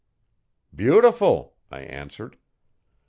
'Beautiful,' I answered.